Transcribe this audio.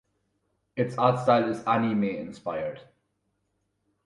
Its art style is anime-inspired.